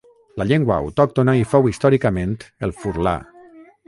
La llengua autòctona hi fou històricament el furlà.